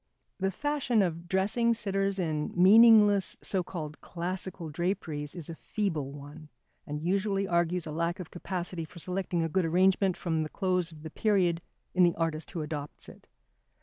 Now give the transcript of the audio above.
The fashion of dressing sitters in meaningless, so called classical draperies is a feeble one, and usually argues a lack of capacity for selecting a good arrangement from the clothes of the period in the artist who adopts it.